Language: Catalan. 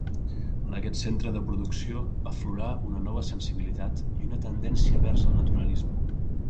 En aquest centre de producció aflorà una nova sensibilitat i una tendència vers el naturalisme.